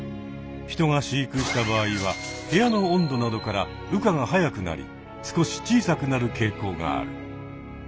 人が飼育した場合は部屋の温度などから羽化が早くなり少し小さくなるけい向がある。